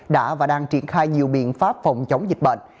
đã và đang triển khai nhiều biện pháp phòng chống dịch bệnh